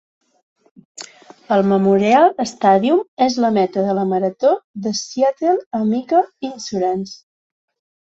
El Memorial Stadium és la meta de la Marató de Seattle Amica Insurance.